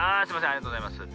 ありがとうございます。